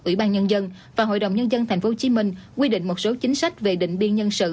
ủy ban nhân dân và hội đồng nhân dân tp hcm quy định một số chính sách về định biên nhân sự